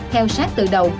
heo sát từ đầu